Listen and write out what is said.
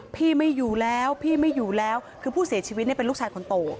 พี่ไม่อยู่แล้วพี่ไม่อยู่แล้วคือผู้เสียชีวิตเนี่ยเป็นลูกชายคนโต